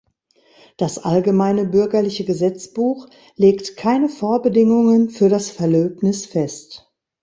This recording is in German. Das Allgemeine Bürgerliche Gesetzbuch legt keine Vorbedingungen für das Verlöbnis fest.